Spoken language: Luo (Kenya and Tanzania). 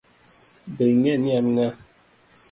Be ing'e ni an ng'a?